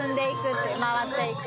回っていく。